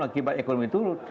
akibat ekonomi turun